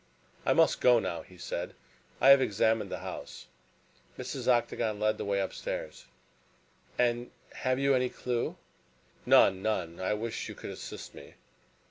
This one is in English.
"I must go now," he said, "I have examined the house." Mrs. Octagon led the way upstairs. "And have you any clue?" "None! None! I wish you could assist me."